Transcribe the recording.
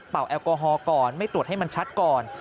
แอลกอฮอล์ก่อนไม่ตรวจให้มันชัดก่อน